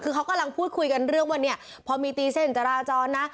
คือเขากำลังพูดคุยกันเรื่องว่าเนี่ยพอมีตีเส้นจราจรนะ